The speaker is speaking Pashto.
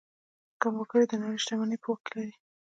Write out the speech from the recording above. کم وګړي د نړۍ شتمني په واک لري.